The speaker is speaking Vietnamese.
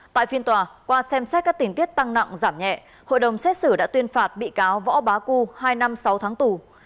tại phiên tòa qua xem xét các tình tiết tăng nặng giảm nhẹ hội đồng xét xử đã tuyên phạt bị cáo võ bá cư hai năm sáu tháng tù